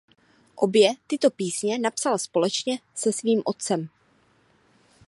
Obě tyto písně napsal společně se svým otcem.